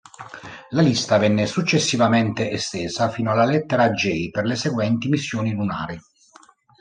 La lista venne successivamente estesa fino alla lettera J per le seguenti missioni lunari.